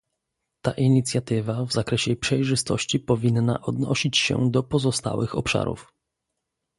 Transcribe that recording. Ta inicjatywa w zakresie przejrzystości powinna odnosić się do pozostałych obszarów